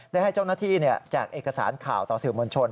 ได้ให้เจ้าหน้าที่แจกเอกสารข่าวต่อสื่อมวลชน